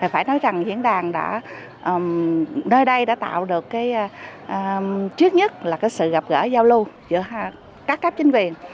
phải nói rằng diễn đàn đã nơi đây đã tạo được trước nhất là sự gặp gỡ giao lưu giữa các cấp chính quyền